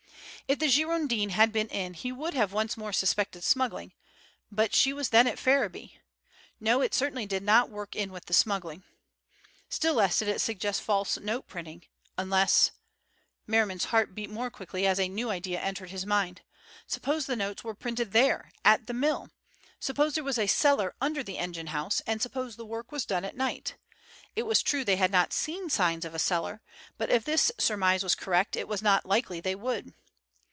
If the Girondin had been in he would have once more suspected smuggling, but she was then at Ferriby. No, it certainly did not work in with smuggling. Still less did it suggest false note printing, unless—Merriman's heart beat more quickly as a new idea entered his mind. Suppose the notes were printed there, at the mill! Suppose there was a cellar under the engine house, and suppose the work was done at night? It was true they had not seen signs of a cellar, but if this surmise was correct it was not likely they would.